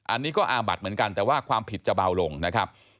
อันนี้ก็อาบัดเหมือนกันแต่ว่าความผิดจะเบาลงนะครับ